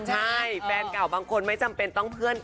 ใช่แฟนเก่าบางคนไม่จำเป็นต้องเพื่อน